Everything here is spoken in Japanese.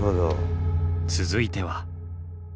続いては。